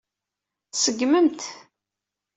Tṣeggmem-t.